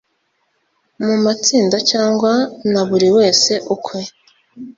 mu matsinda cyangwa na buri wese ukwe